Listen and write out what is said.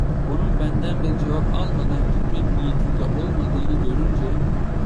Onun benden bir cevap almadan gitmek niyetinde olmadığını görünce.